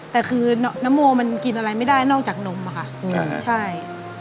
แต่คือน้ำโมมันกินอะไรไม่ได้นอกจากนมอะค่ะใช่